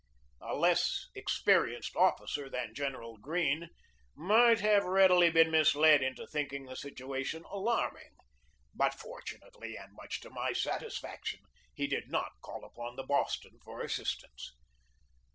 A less experienced officer than General Greene might have readily been misled into thinking the situation alarming; but, fortunately, .and much to my satisfaction, he did not call upon the Boston for assistance.